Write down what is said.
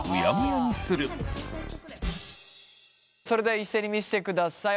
それでは一斉に見してください